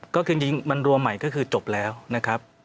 ก็คือจริงมันรวมใหม่ก็คือจบแล้วนะครับ